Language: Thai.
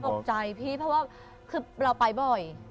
พี่เพราะว่าคือเราไปบ่อย